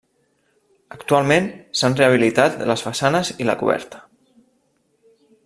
Actualment s'han rehabilitat les façanes i la coberta.